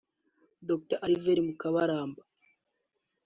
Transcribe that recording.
Dr Alvera Mukabaramba